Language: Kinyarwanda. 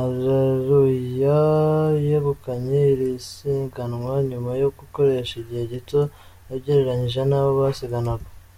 Areruya yegukanye iri siganwa nyuma yo gukoresha igihe gito ugereranyije n’abo basiganwanaga.